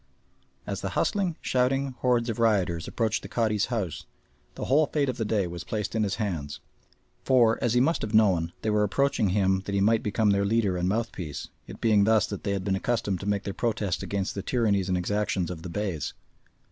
As the hustling, shouting horde of rioters approached the Cadi's house the whole fate of the day was placed in his hands, for, as he must have known, they were approaching him that he might become their leader and mouthpiece, it being thus that they had been accustomed to make their protests against the tyrannies and exactions of the Beys.